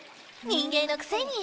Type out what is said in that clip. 人間のくせに。